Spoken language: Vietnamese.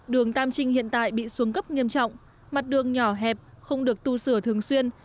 đường tam trinh hiện tại bị xuống cấp nghiêm trọng mặt đường nhỏ hẹp không được tu sửa thường xuyên